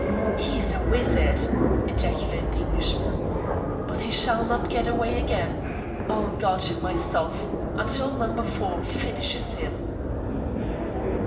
"He is a wizard!" ejaculated the Englishman. "But he shall not get away again! I'll guard him myself until Number Four finishes him!"